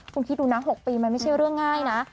คุณคิดดูนะ๖ปีมันไม่ใช่เรื่องง่ายนะ